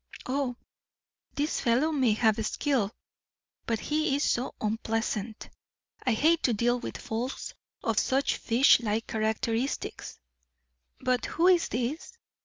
"Oh, this fellow may have skill. But he is so unpleasant. I hate to deal with folks of such fish like characteristics. But who is this?"